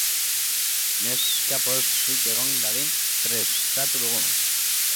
Neska pozik egon dadin prestatu dugu.